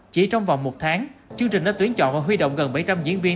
chỉ trong vòng một tháng chương trình đã tuyến chọn và huy động gần bảy trăm linh diễn viên